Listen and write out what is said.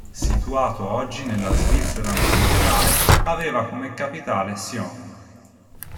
Situato oggi nella Svizzera meridionale, aveva come capitale Sion.